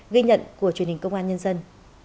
ghi nhận của truyền hình công an nhân dân